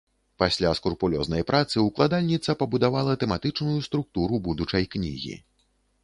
Пасля скрупулёзнай працы ўкладальніца пабудавала тэматычную структуру будучай кнігі.